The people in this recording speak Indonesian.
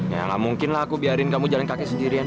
ya gak mungkin lah aku biarin kamu jalan kaki sendirian